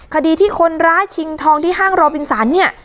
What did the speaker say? คดีที่คนร้ายชิงทองที่ห้างโรบินสันเนี่ย